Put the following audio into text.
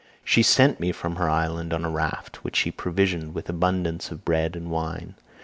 She sent me from her island on a raft, which she provisioned with abundance of bread and wine.